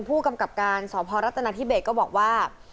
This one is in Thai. ผู้กำกับการสพรัฐนาธิเบสก็บอกว่า